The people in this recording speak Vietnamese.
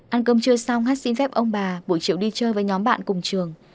ăn cơm trưa xong hát xin phép ông bà buổi chiều đi chơi với nhóm bạn cùng trường